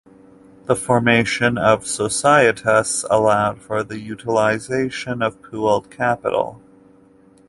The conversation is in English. The formation of "societas" allowed for the utilization of pooled capital.